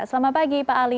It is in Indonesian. selamat pagi pak ali